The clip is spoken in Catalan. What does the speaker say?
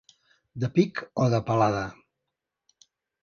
De pic o de palada.